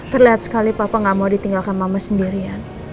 terlihat sekali papa gak mau ditinggalkan mama sendirian